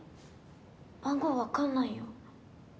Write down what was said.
番号分かんないよ。